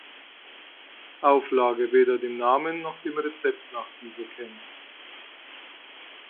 Auflage weder dem Namen noch dem Rezept nach diese kennt.